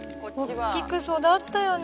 大きく育ったよね